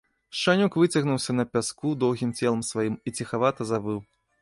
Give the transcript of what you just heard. Шчанюк выцягнуўся на пяску доўгім целам сваім і ціхавата завыў.